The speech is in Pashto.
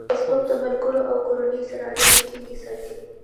فېسبوک د ملګرو او کورنۍ سره اړیکې ټینګې ساتي.